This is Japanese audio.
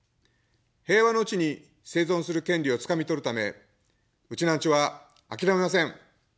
平和のうちに生存する権利をつかみ取るため、ウチナーンチュは諦めません。